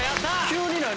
急に何？